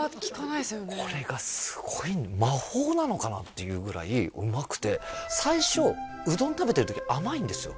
いやこれがすごい魔法なのかなっていうぐらいうまくて最初うどん食べてる時甘いんですよ